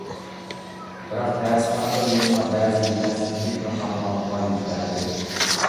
بىراق دەرسخانىدا يەنىلا بەزى يېتەرسىزلىك ۋە خاتالىقلار يۈز بەردى.